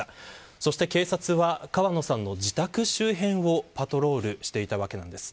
そして警察は川野さんの自宅周辺をパトロールしていたわけなんです。